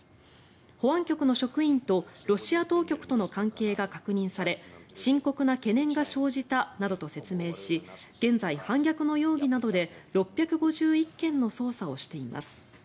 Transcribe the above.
保安局の職員とロシア当局との関係が確認され深刻な懸念が生じたなどと説明し現在、反逆の容疑などで６５１件の捜査をしています。